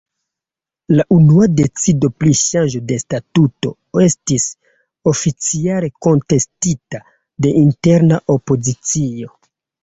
La unua decido pri ŝanĝo de statuto estis oficiale kontestita de interna opozicio.